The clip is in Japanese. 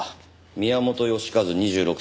宮本良和２６歳。